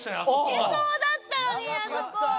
いけそうだったのにあそこ！